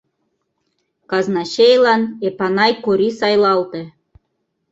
Казначейлан Эпанай Кори сайлалте.